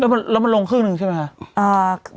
แล้วมันลงครึ่งหนึ่งใช่ไหมคะ